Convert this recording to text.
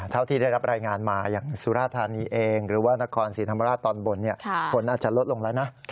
เท่าที่ได้รับรายงานมาอย่างสุราธานีเองหรือว่านครศรีธรรมราชตอนบนฝนอาจจะลดลงแล้วนะ